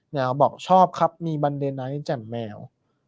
เขาบอกชอบครับมีบันเดนไหนแจ่งแมว